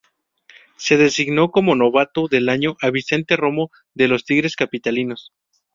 Se designó como novato del año a Vicente Romo de los Tigres Capitalinos.